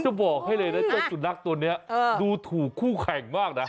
บอกให้เลยนะเจ้าสุนัขตัวนี้ดูถูกคู่แข่งมากนะ